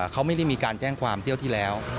เขาไม่ได้มีการแจ้งความเที่ยวที่แล้ว